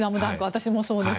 私もそうです。